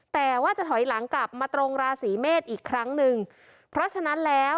แต่ว่าจะถอยหลังกลับมาตรงราศีเมษอีกครั้งหนึ่งเพราะฉะนั้นแล้ว